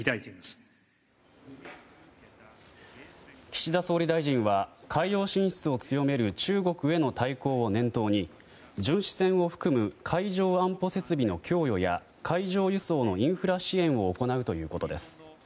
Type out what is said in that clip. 岸田総理大臣は海洋進出を強める中国への対抗を念頭に巡視船を含む海上安保設備の供与や海上輸送のインフラ支援を行うということです。